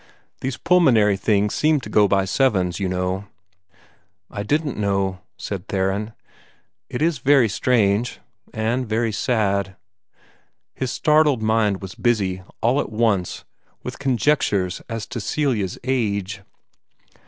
These pulmonary things seem to go by sevens, you know." "I didn't know," said Theron. "It is very strange and very sad." His startled mind was busy, all at once, with conjectures as to Celia's age.